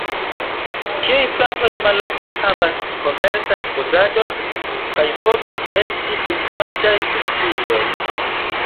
Tiuj plantoj malofte havas komercan uzadon, kaj povas esti invadaj specioj.